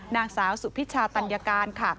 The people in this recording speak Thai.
นางสาวสุพิชาตัญญาการค่ะ